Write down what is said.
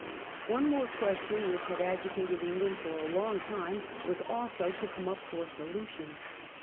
One more question, which had agitated England for a long time, was also co come up for solution.